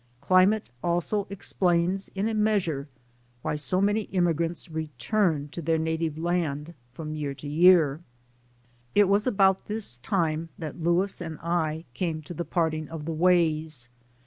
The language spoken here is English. Climate also explains in a measure why so many immigrants return to their native land from year to year. It was about this time that Louis and I came to the parting of the ways.